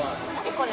これ。